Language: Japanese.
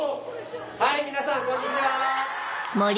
はい皆さんこんにちは！